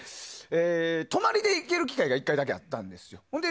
泊まりで行ける機会が１回だけあったんです。